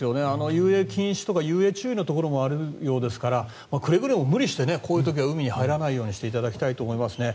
遊泳禁止とか遊泳注意のところもあるようですからくれぐれも無理してこういう時には海に入らないようにしていただきたいですね。